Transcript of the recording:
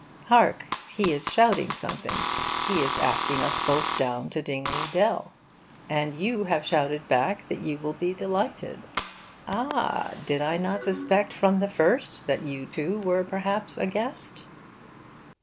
Hark! he is shouting something. He is asking us both down to Dingley Dell. And you have shouted back that you will be delighted. Ah, did I not suspect from the first that you too were perhaps a guest?